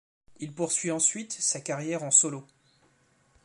Il poursuit ensuite sa carrière en solo.